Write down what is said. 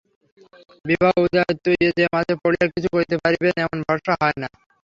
বিভা ও উদয়াদিত্য যে মাঝে পড়িয়া কিছু করিতে পারিবেন, এমন ভরসা হয় না।